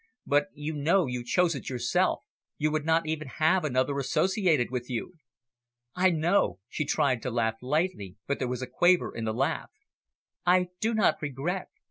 "But you know you chose it yourself; you would not even have another associated with you." "I know." She tried to laugh lightly, but there was a quaver in the laugh. "I do not regret.